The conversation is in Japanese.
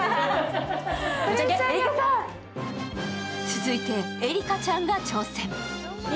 続いて絵里花ちゃんが挑戦。